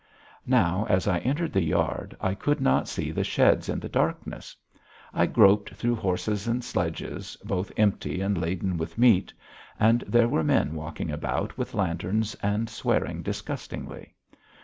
Now, as I entered the yard, I could not see the sheds in the darkness; I groped through horses and sledges, both empty and laden with meat; and there were men walking about with lanterns and swearing disgustingly.